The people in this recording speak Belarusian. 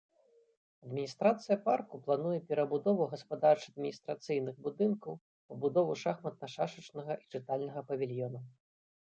Адміністрацыя парку плануе перабудову гаспадарча-адміністрацыйных будынкаў, пабудову шахматна-шашачнага і чытальнага павільёнаў.